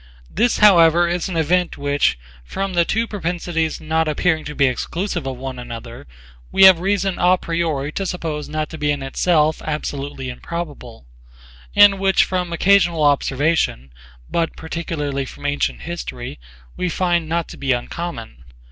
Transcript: This how ever is an event which, from the two propensities not appearing to be exclusive of one another, we have reason a priori to suppose not to be in itself absolutely improbable, and which from occasional observation, but particularly from antient history, we find not to be uncommon.